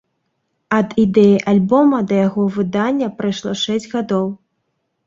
Ад ідэі альбома да яго выдання прайшло шэсць гадоў.